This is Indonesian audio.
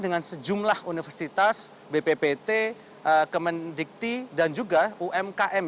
dengan sejumlah universitas bppt kemendikti dan juga umkm